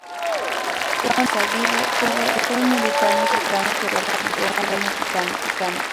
Juan B. Izaguirre fue un militar mexicano que participó en la Revolución mexicana.